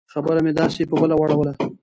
خبره مې داسې په بله واړوله.